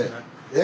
え？